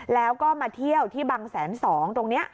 แล้วก็มาเที่ยวที่บังแสนสองตรงนี้